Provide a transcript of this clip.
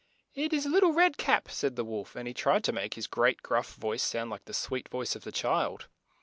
"It is Lit tie Red Cap," said the wolf, and he tried to make his great gruff voice sound like the sweet voice of the child.